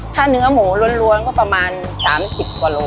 ถ้าเนื้อหมูล้วนก็ประมาณ๓๐กว่าโล